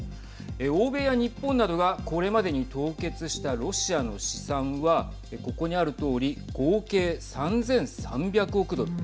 欧米や日本などがこれまでに凍結したロシアの資産はここにあるとおり合計３３００億ドル。